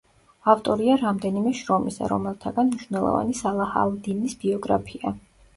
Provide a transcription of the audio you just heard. ავტორია რამდენიმე შრომისა, რომელთაგან მნიშვნელოვანი „სალაჰ ალ-დინის ბიოგრაფია“.